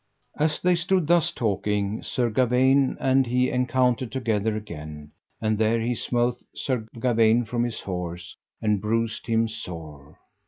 As they stood thus talking, Sir Gawaine and he encountered together again, and there he smote Sir Gawaine from his horse, and bruised him sore.